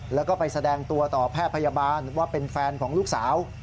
แล้วก็ไปแสดงตัวต่อแพทย์พยาบาลว่าเป็นแฟนของลูกสาว